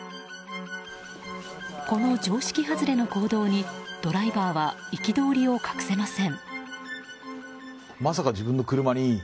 この常識外れの行動にドライバーは憤りを隠せません。